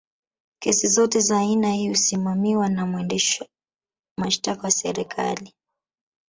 kesi zote za aina hii husimamiwa na mwendesha mashtaka wa serikali